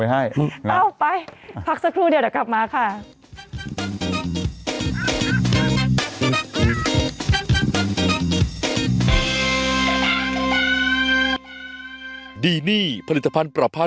เอาไปพักสักครู่เดี๋ยวเดี๋ยวกลับมาค่ะ